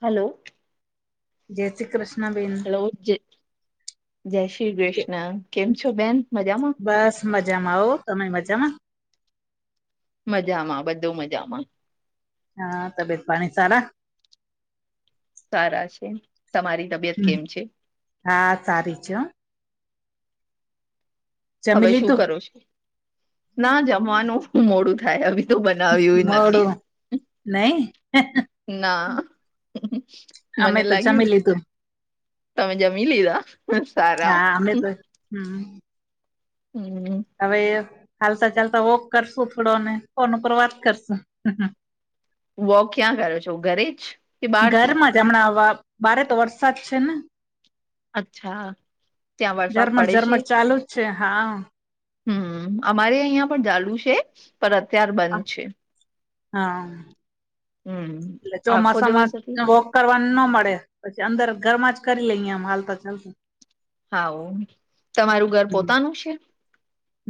હાલો જય શ્રી કૃષ્ણબેન ઓ જય શ્રી કૃષ્ણ કેમ છો બેન મજામાં બસ મજામાં હો તમે મજામાં મજામાં બધુ મજામાં હા તબિયત પાણી સારા સારા છે તમારી તબિયત કેમ છે? હા સારી છે જમી હવે શું લીધું કરો છો ના જમવાનુ મોડું થાય હવે બનાવ્યું નથી મોડું નઈ ના અમે મને તો લાગ્યું જમી લીધું તમે જમી લીધા સારા હા અમે તો હમ્મ હમ્મ હવે એ ચાલતા ચાલતા વોક કરશુ થોડોને ફોન ઉપર વાત કરશું વોક ક્યાં કર્યો છ હ ઘરે જ કે બહાર થી હમણાંવા બા રે તો વરસાદ છે ને? અચ્છા ત્યાં વરસાદ પડે છે ્ છે હા હમ અમારે અહિયાં પણ ચાલુ છે પણ અત્યાર બંધ છે હા હમ એ આખો ચોમાસા દિવસ માસ હતી વ [unintelligible] કરવા ન મળે પછી અંદર ઘરમાં જ કરી લઈ આમ હાલતા ચાલતા હા હો તમારું ઘર પોતાનું છે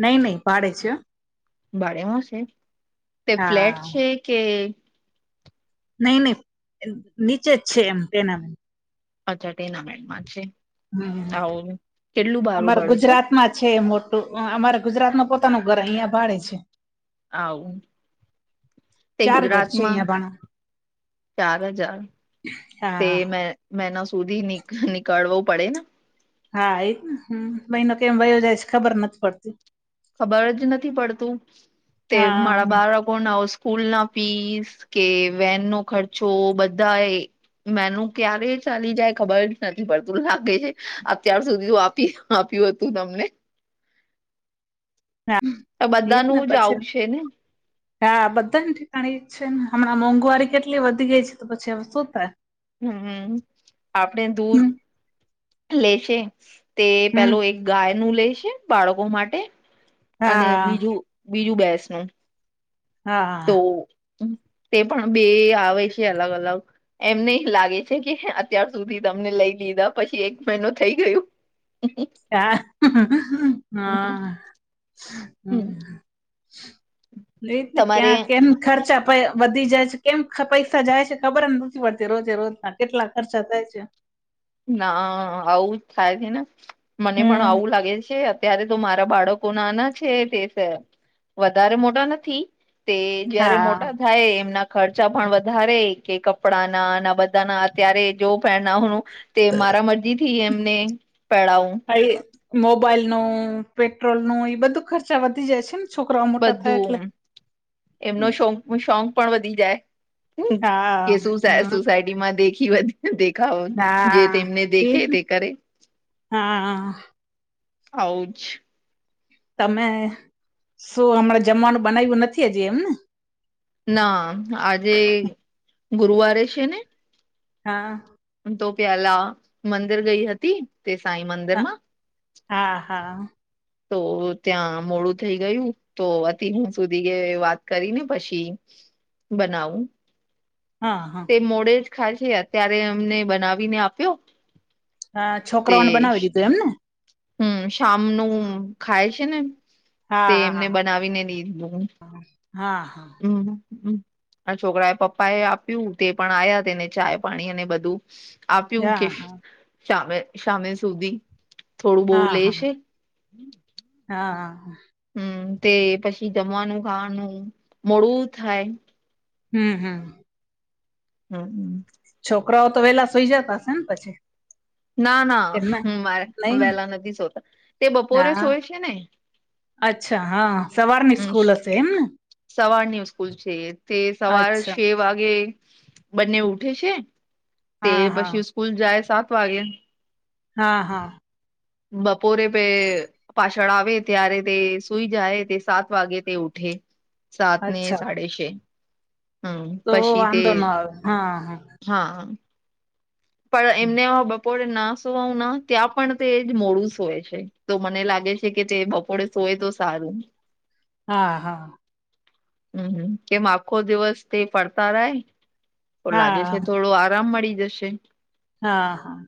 નહી નહી ભાડે છે ભાડે માં છે તે ફ્લેટ હા છે કે નહી નહી નીચે જ છે એમ તેના [inaudible] [inaudible] [unintelligible] [unintelligible] [inaudible] [inaudible] હમ આવું કેટલું ભારું અમાર પડે છો ગુજરાત માં છે મોટ અમારે ગુજરાત નુ પોતાનું ઘર અહિયાં ભાડે છે આવું તે ચાર હજાર છે ગુજરાતમાં અહિયાં બાનું ચાર હજાર તે હા મે મહિના સુધી નિકાલ વુ પડે ને હા એને ભનો કેમ વયો જાય છે ખબર નથી પડતી [unintelligible] ખબર જ નથી પડતું તે હા મારા બાર કો સ્કૂલ ના ફીસ કે વેન નો ખર્ચો બધા એ મેનું ક્યારે ચાલી જાય ખબર જ નથી પડતું લાગે છે અત્યાર સુધી આપી [unintelligible] આપ્યું હતું તમને હ એજ ને બધાનું જ પછી.. ત આવું [unintelligible] છે ને હા બધા ને ઠીકાણી એજ છે ને હમણાં મોંઘવારી કેટલી વધી ગઈ છે તો પછી હ શું થાય હમ આપણે દૂધ હમ લેશે તે હમ પેલો એક [unintelligible] ગાય નું લે છે બાળકો માટે અને હા બીજું બીજું ભેંસ નુ તો હા તે પણ બે આવે છે અલગ અલગ એમને લાગે છે કે અત્યાર સુધી તમને લઈ લીધા પછી એક મહિનો થઈ ગયું હ હા હમ નને તમારે ક્યાં કેમ ખર્ચા [unintelligible] વધી જાય છે કેમ પૈસા જાય છે ખબર નથી પડતી રોજે રોજ ના કેટલા ખર્ચા થાય છે ના આવું જ થાય છે ને મને પણ હમ આવું લાગે છે અ ત્યારે તો મારા બાળકો નાના છે તે વધારે મોટા નથી તે જયારે હા મોટા થાય એમના ખર્ચા પણ વધારે કે કપડા ના ના બધાના અત્યારે જો પે ના હ તે મારા મરજી થી એમને પહેડાવું મોબાઈલ નું પેટ્રોલ નું એ બધું ખર્ચા વધી જાય છે ને છોકરાઓ મોટા થાય બધું એટલે એમનો શોક શોક પણ વધી જાય હા કે શું હમ સોસાયટી માં દેખી બધી સ્ત્રીઓ મ [unintelligible] દેખાવો જે હા તેમને દેખે એજ ને. તે કરે હા આવ જ તમે શું હમણાં જમવાનું બનાવ્યું નથી હજી એમ ને ના આજે ગુરુવારે છે ને હા તો પેલા મંદિર ગઈ હતી તે સાઈ હા મંદિરમાં હા હા તો ત્યાં મોડું થઈ ગયું તો અતિ હું સુધી વાત કરી ને પછી બનાવું હા હા તે મોડે જ ખાય છે અત્યારે અમને બનાવીને આપ્યો હ તે છોકરાઓને બનાવી દીધું એમને હમ, શામનું ખાય છે ને, તે હા એમને હા બનાવીને લીધું. હા, હા. આ છોકરા એ પપ્પા એ આપ્યું, તે પણ આવ્યા, તેને ચાય, પાણી અને બધું. આપ્યું કે, હા સામે સામે સુધી. થોડું બહુ હા, લેશે હા. હમ, તે પછી જમવાનું-ખાવાનું, મોડું થાય. હમ, હમ. હમ, હમ. છોકરાઓ તો વેહેલા સુઈ જતા હશે ને પછી. ના, ના, એમના મારે નહી વહેલા નથી સોતા, તે બપોરે સ હા હોય છે ને. અચ્છા, હા, સવારની હમ સ્કૂલ હશે એમ ને. સવારની સ્કૂલ છે, તે સવાર છ અચ્છા વાગે. બંને ઉઠે છે, તે હા હા પછી સ્કૂલ જાય સાત વાગે. હા, હા. બપોરે પે. પાછળ આવે, ત્યારે તે સુઈ જાય, તે સાત વાગે તે ઉઠે. સાત ને અચ્છા સાડે છે. હમ તો પછી તે વાંધો ના આવે, હા, હા. હા. પણ એમને બપોરે ના સોવાના, ત્યાં પણ તે જ મોડું સોય છે, તો મને લાગે છે કે તે બપ થોડે સોય, તો સારું. હા, હા. હમ, કેમ આખો દિવસ તે પડતા રાય? તો લાગે હા છે, થોડો આરામ મળી જશે. હા, હા.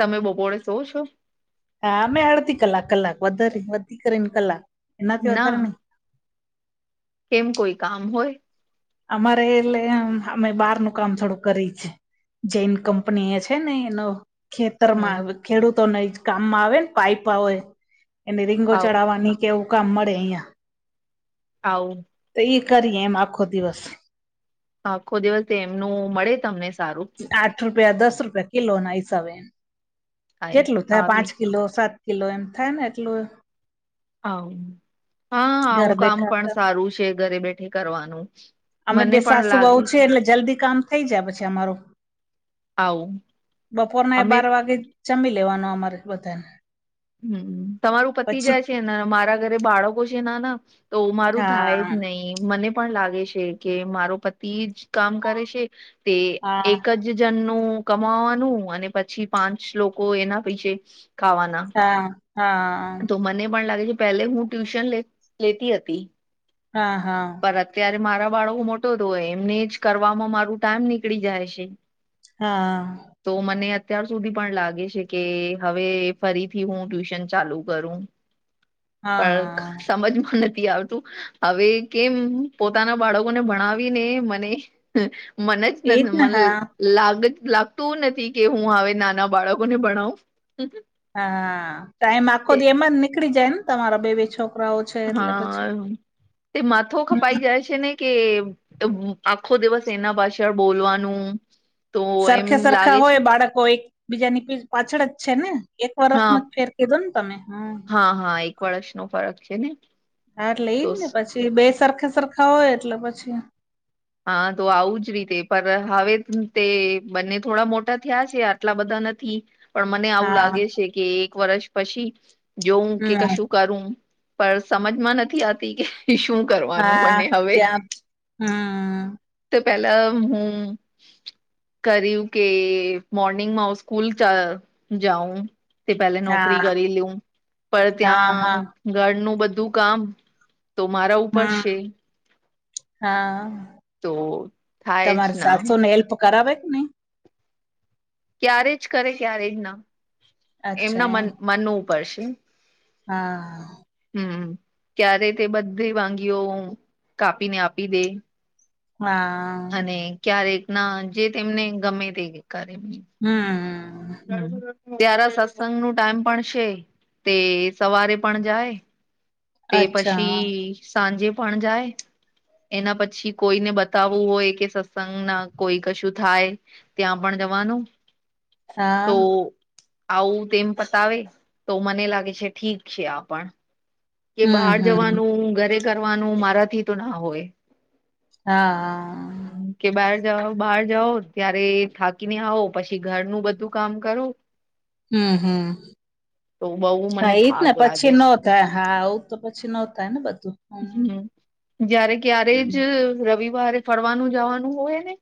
તમે બપોરેે સુવો છો? હા, મેમે અડધી કલાક કલાક વધારે વધી કરીને, કલાક એનાથી ના વધારે નહીં. કેમ, કોઈ કામ હોય. અમારે એટલે અમે બહાર નું કામ થોડું કરી છે. જેૈન કંપની એ છે ને, એનો ખેતર હમ માં ખેડૂતો ને કામમાં આવે ને, પાઈપ આવે, એને રીંગો આવ ચડાવવાની. કેવું કામ હરેે યા? હા. તો કરીએ, એમ આખો દિવસ. આખો દિવસ એમનું મળે, તમને સારું. આઠ રૂપિયા, દસ રૂપિયા કિલો ના હિસાબે. આઈશ જેટલું થાય, પાંચ આવી કિલો, સાત કિલો, એમ થાય ને એટલું. [unintelligible] હા, ઘર આવું કામ પણ બેઠા સારું છે, ઘરે બેઠે કરવાનું. અમે બે મને પણ સાસુ-બહુ લાગે છીએ, છે એટલે જલ્દી કામ થઈ જાય, પછી અમારું. આવું બપોરના એ અમે બાર વાગે, જમી લેવાનું, અમારે બધાને હમ, તમારું પતિ પછી જાય છે ને, મારા ઘરે બાળકો છે, ના, ના. તો મારું થાય હા જ નહીં, મને પણ લાગે છે. કે મારો પતિ જ કામ કરે છે, તે હા એક જ. જનનું કમાવાનું, અને પછી પાંચ લોકો એના પૈસે ખાવાના. હા, હા. તો મને પણ લાગે છે, પહેલે હું ટ્યુશન લે લેતી હતી. હા, હા. અત્યારે મારા બાળકો મોટો તો હોય, એમને જ કરવામાં મારું ટાઈમ નીકળી જાય છે. હા. તો મને અત્યાર સુધી પણ લાગે છે કે હવે ફરીથી હું ટ્યુશન ચાલુ કરું. પણ હા સમજ માં નથી આવતું હવે કેમ પોતાના બાળકોને ભણાવીને મને મને જ નથ એજ ને મન હા લાગ લાગતું નથી કે હું અવે નાના બાળકોને ભણાવુ. હા ટાઈમ આખો દી એમાં જ નીકળી જાયને તમારો બે બે છો હા એ માથો હમ. ખપાઈ જાય છે છે ને કે આખો દિવસ એના પાછળ બોલવાનું તો એમ સરખે સરખા લાગે છે હોય બાળકો એક બીજાની પાછળ જ છે ને એક હા વરસનો ફેર કીધો ને તમે હમમ. હા હા એક વર્ષ નો ફરક છે. ને હા એટલે એઈ તો જ ને પછી બે સરખા સરખા હોય એટલે પછી હા તો આવું જ રીતે પણ હવે તે બંને થોડા મોટા થીયા છે યાર આટલા બધા નથી પણ મને આવું હા લાગે છે કે એક વર્ષ પછી જેઉ કે હમ કશું કરું પણ સમજમાં નથી આવતી કે શું કરવાનું હા મને ક્યાં હમમ. તે પેલા હું કર્યું કે મોર્નિંગમાં હું સ્કૂલ જાઉં. કે પહેલે નોકરી હા કરી લેઉ પણ હા ત્યાં હા ઘરનું બધું કામ તો મારા ઉપર હમ છે. હા તો થાય જ તમારી ના સાસુ ને હેલ્પ કરાવે કે ની. ક્યારે જ કરે ક્યારેય ન અચ્છા એમના એમ મન મનનું ઉપર છે. હા. હમમ ક્યારે તે બધી વાનગીઓ કાપીને આપી દે. હા, અને ક્યારેક ના જે તેમને ગમે તે કરે બી હમ્મ, હમમ. ત્યારે સત્સંગ નું ટાઈમ પણ છે તે સવારે પણ જાય. તે પછી અચ્છા, સાંજે પણ જાય એના પછી કોઈને બતાવવું હોય કે સત્સંગ ના કોઈ કશું થાય. ત્યાં પણ જવાનું તો હા, આવું તેમ પતાવે તો મને લાગે છે ઠીક છે આપણ કે હમ્મ, બહાર હમ્મ, જવાનું, ઘરે કરવાનું મારાથી તો ન હોય. હા આ. કે બહાર જાઓ બહાર જાઓ ત્યારે થાકીને આવો પછી ઘરનું બધું કામ કરો. [inaudible] હમમ હમમ તો બહુ હા મને ઈજ ને થાક પછી લાગે ન છે થાય. હા આવું તો પછી ન થાય ને બધું. હમમ જયારે ક્યારે હમ્મ, જ રવિ રવિવારે ફરવાનું જવાનું હોય ને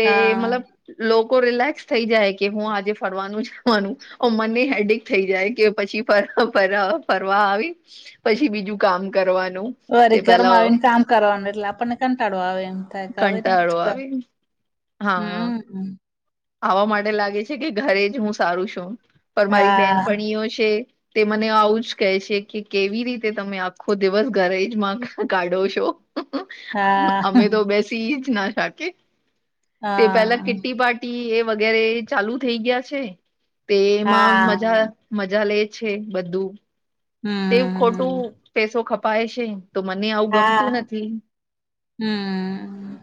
તે હા, મતલબ લોકો રિલેક્સ થઈ જાય કે હું આજે ફરવાનું જવાનું ઉમરની હેડીક થઈ જાય કે પછી ફરવા આવી પછી બીજું કામ કરવાનું. વળી તે પેલા ઘરમાં આવીને કામ કરવાનું એટલે આપણને કંટાળો આવે એમ. થાય કે હવે ના કંટાળો જ કર આવે હા હમમ. આવા માટે લાગે છે કે ઘરે જ હું સારું છું પણ મારી હા, બેનપણીઓ છે તે મને આવું જ કહે છે કે કેવી રીતે તમે આખો દિવસ ઘરે જ માં કાઢો છો. હા, અમે તો બેસી જ ના શકે. તે પેલા હા, કિટી પાટી એ વગેરે ચાલુ થઈ ગયા છે તે એમાં હા. મજા મજા લે છે બધું તે ખોટું હમ્મ, પેસો ખપાય છે. તો મને આવું ગમતું હા, નથી. હમ્મ.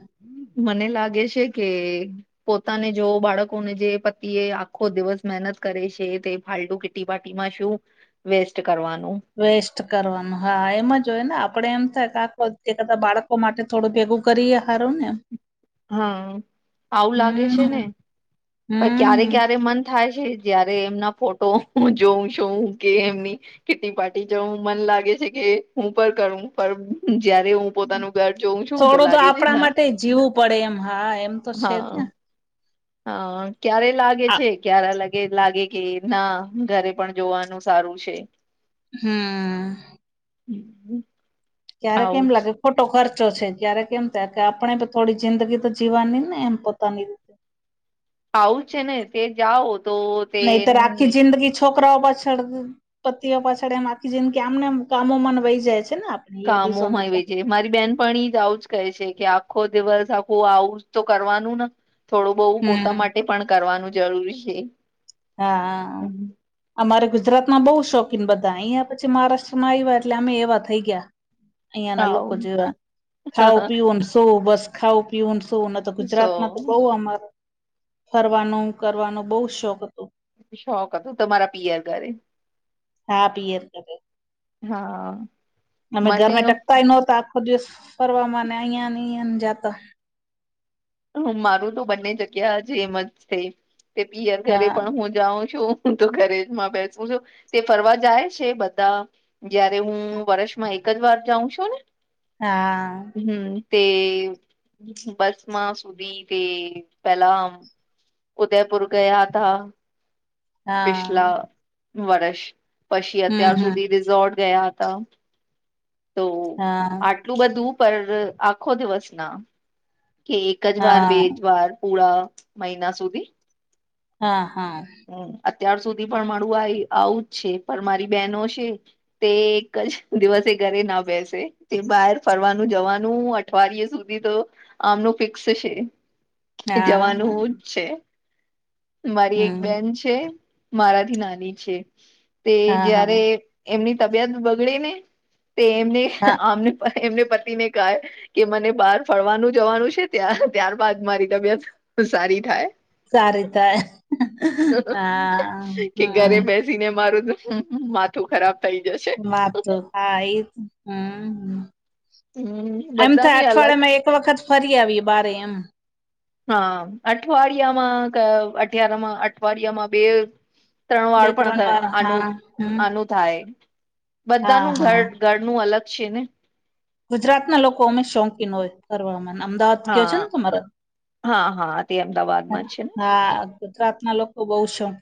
મને લાગે છે કે પોતાને જો બાળકોને જે પતિ એ આખો દિવસ મહેનત કરે છે તે ફાટુ કેટ કીટી પાર્ટી માં શું વેસ્ટ કરવાનું વેસ્ટ કરવાનું હા એમાં જોય ને આપડે એમ થાય કા થાય બાળક કો માટે થોડું ભેગું કરી ને હારું ને હા આવું લાગે છે ને હમ પણ ક્યારે હમ ક્યારે મન થાય છે જ્યારે એમના ફોટો જોઉં છું કે એમની કીટી પાર્ટી જવું મન લાગે છે કે હું પણ કરું પણ જયારે હું પોતાનું ઘર જોઉ શું તો થોડું લાગે છે આપણા ના માટે જીવું પડે એમ હા એમ તો છે જ હા ને હા ક્યારે લાગે આ છે ક્યારે લાગે લાગે કે ના ઘરે પણ જોવાનું સારું છે. હમ્મ. હમ્મ. ક્યારેક એમ લાગે ખોટો ખર્ચો છે ક્યારેક એમ કે આપણે બી થોડી જિંદગી તો જીવાની ને એમ પોતાની આવું છે ને તે જાઓ તો તે નહીતર આખી જિંદગી જ છોકરાઓ પાછળ પતિઓ પાછળ એમ આખી જિંદગી આમનેમ કામો માં વહી જાય છે ને આપણી લેડીસોની કામોમાં તો એવી છે મારી બેનપણી જ આવું છે કે આખો દિવસ આખું આવું તો કરવાનું ને થોડું બહું પોતા હમ માટે પણ કરવાનું જરૂરી છે. હા. હમ, અમારે ગુજરાતમાં બહુ શોખીન બધા અહિયાં પછી મહારાષ્ટ્રમાં આવ્યા એટલે અમે એવા થઈ ગયા. અહિયાં ના આવું લોકો જેવા ખાવુ પીવુંને સોવુ બસ ખાવું પીવું ને શું ન તો સો ગુજરાતમાં તો બઉ અમાર ફરવાનું કરવાનો બહુ શોખ હતો. શોખ હતો તમારા પિયર ઘરે હા પીએર ના ઘરે હા હા. અમે ઘરને ટકતાય નોતા આખો દિવસ ફરવા ને અહિયા ને અયા જાતો હ મારું તો બંને જગ્યા જે એમ જ છે તે પીયર ઘરે હા પણ હું જાઉં છું હું તો ઘરે જમાં બેસું છું તે ફરવા જાય છે બધા જયારે હું વર્ષમાં એક જ વાર જાઉં છું ને હા. હમ્મ તે બસ માં સુધી તે પેલા ઉદયપુર ગયા હતા હા પિછલા વર્ષ પછી હમ અત્યાર હમ સુધી તે ઝોર્ટ ગયા હતા તો હા આ એટલું બધું પર આખો દિવસ ના કે એક જ વાર બે હા જ વાર પૂરા મહિના સુધી હા હા. હમ્મ અત્યાર સુધી પણ મળું આવું જ છે પણ મારી બેહેનો છે તે એક જ દિવસે ઘરે ના બેસે તે બહાર ફરવાનું જવાનું અઠવાડિયે સુધી તો આમનું ફિક્સ છે હા જવાનું જ છે. મારી એક હમ બેન છે મારાથી નાની છે તે હા જ્યારે હા એમની તબિયત બગડે ને તે એમને હા આમને એમને પતિને કહે કે મને બહાર ફરવાનું જવાનું છે ત્યાં ત્યારબાદ મારી તબિયત ખૂબ સારી થાય સારી થાય. હા કે ઘરે હમ બેસી ને તો મારું માથું ખરાબ થઈ જશે મા આ હા એજ હમ્મ હમ હે એમ થાય બધાની અલગ અઠવાડયેમાં છે. એક વખત ફરી આવી બારે એમ હા અઠવાડિયા માં ક અઠયાર માં અઠવાડિયામાં બે ત્રણ બે વાળ પણ હતા વાર હા આનું હમ આનું થાય હા બધાનું હા ઘર ઘરનું અલગ છે ને ગુજરાતના લોકો અમે શોકીન હોય કરવામાં અમદાવાદ કયો છે હા ને તમારે હા હા તે અમદાવાદમાં જ છે ને હા ગુજરાત ના લોકો બહુ શોંખ